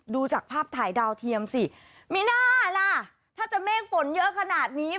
ดูจากภาพถ่ายดาวเทียมสิมีหน้าล่ะถ้าจะเมฆฝนเยอะขนาดนี้